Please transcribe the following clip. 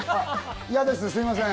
嫌ですすみません。